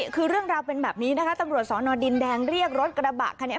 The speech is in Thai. คือเรื่องราวเป็นแบบนี้นะคะตำรวจสอนอดินแดงเรียกรถกระบะคันนี้